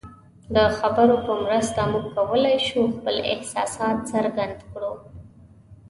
د خبرو په مرسته موږ کولی شو خپل احساسات څرګند کړو.